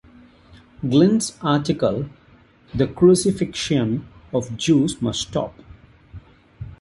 Glynn's article The Crucifixion of Jews Must Stop!